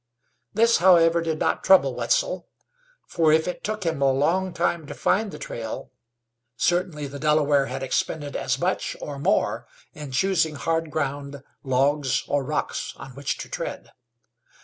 This, however, did not trouble Wetzel, for if it took him a long time to find the trail, certainly the Delaware had expended as much, or more, in choosing hard ground, logs or rocks on which to tread.